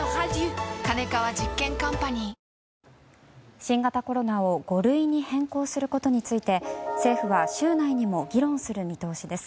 新型コロナを五類に変更することについて政府は週内にも議論する見通しです。